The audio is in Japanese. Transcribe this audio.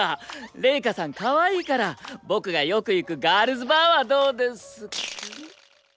レイカさんかわいいから僕がよく行くガールズバーはどうです。